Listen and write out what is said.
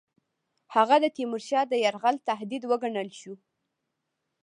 هغه د تیمورشاه د یرغل تهدید وګڼل شو.